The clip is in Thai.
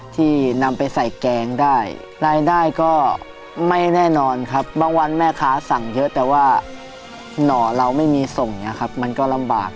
ที่นำไปใส่แกงได้รายได้ก็ไม่แน่นอนครับบางวันแม่ค้าสั่งเยอะแต่ว่าหน่อเราไม่มีส่งอย่างนี้ครับมันก็ลำบาก